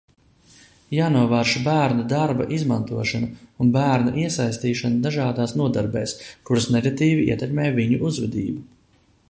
Jānovērš bērnu darba izmantošana un bērnu iesaistīšana dažādās nodarbēs, kuras negatīvi ietekmē viņu uzvedību.